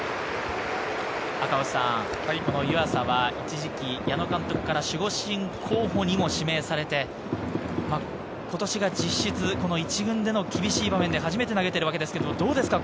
この湯浅は一時期、矢野監督から守護神候補にも指名されて、今年が実質１軍での厳しい場面で初めて投げてるわけですけれどどうですか？